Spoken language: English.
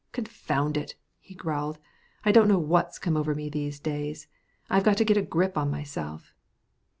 Confound it!" he growled, "I don't know what's come over me these days. I've got to get a grip on myself."